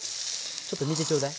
ちょっと見てちょうだい。